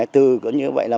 từ cũng như vậy là